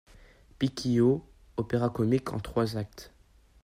=Piquillo.= Opéra-comique en trois actes.